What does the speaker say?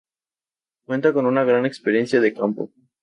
Cuenta con una gran experiencia de campo.